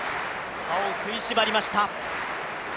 歯を食いしばりました。